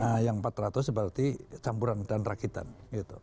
nah yang empat ratus berarti campuran dan rakitan gitu